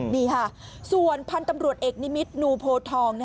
นี่ค่ะส่วนพันธุ์ตำรวจเอกนิมิตนูโพทอง